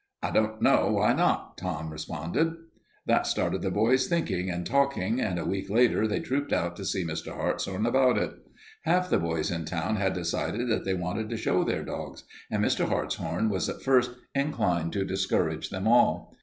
"I don't know why not," Tom responded. That started the boys thinking and talking, and a week later they trooped out to see Mr. Hartshorn about it. Half the boys in town had decided that they wanted to show their dogs, and Mr. Hartshorn was at first inclined to discourage them all.